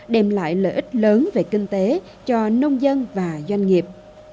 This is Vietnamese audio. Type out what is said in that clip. đem lại lợi ích lớn về kinh tế cho nông dân và doanh nghiệp